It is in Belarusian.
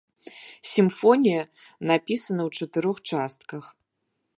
Сімфонія напісана ў чатырох частках.